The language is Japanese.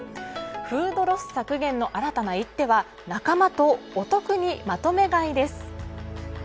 フードロス削減の新たな一手は仲間とお得にまとめ買いです。